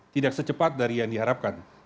tidak secepat dari yang diharapkan